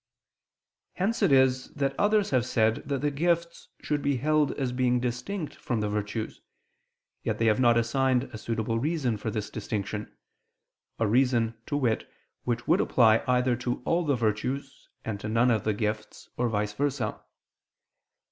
Hence it is that others have said that the gifts should be held as being distinct from the virtues; yet they have not assigned a suitable reason for this distinction, a reason, to wit, which would apply either to all the virtues, and to none of the gifts, or vice versa.